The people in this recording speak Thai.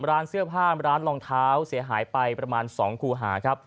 ร้านเสื้อผ้าร้านรองเท้าเสียหายไปประมาณ๒คูหาครับ